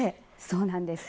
そうなんです。